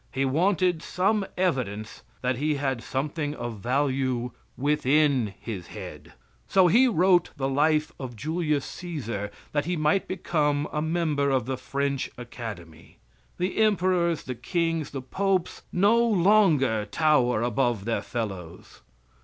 He wanted some evidence that he had something of value within his head. So he wrote the life of Julius Caesar, that he might become a member of the French academy. The emperors, the kings, the popes, no longer tower above their fellows.